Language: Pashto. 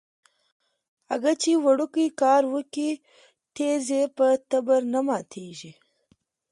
اگه چې وړوکی کار وکي ټيز يې په تبر نه ماتېږي.